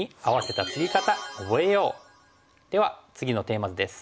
では次のテーマ図です。